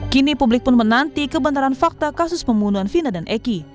kini publik pun menanti kebenaran fakta kasus pembunuhan vina dan eki